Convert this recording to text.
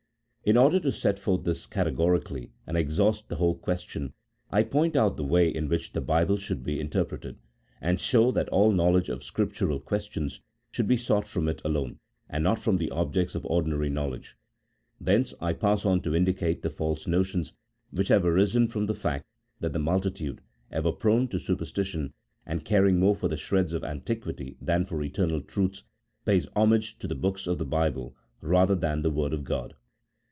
In order to set this forth categori cally and exhaust the whole question, I point out the way in which the Bible should be interpreted, and show that all knowledge of spiritual questions should be sought from it alone, and not from the objects of ordinary knowledge. Thence I pass on to indicate the false notions, which have arisen from the fact that the multitude — ever prone to superstition, and caring more for the shreds of antiquity than for eternal truths — pays homage to the Books of the Bible, rather than to the Word of God.